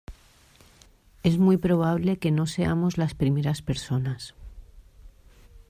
es muy probable que no seamos las primeras personas